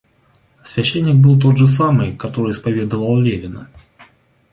Священник был тот же самый, который исповедывал Левина.